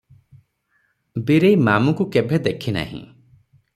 ବୀରେଇ ମାମୁକୁ କେଭେ ଦେଖିନାହିଁ ।